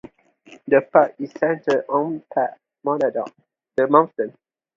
The park is centered on Pack Monadnock, the mountain.